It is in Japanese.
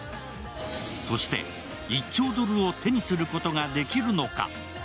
そして、１兆ドルを手にすることができるのか。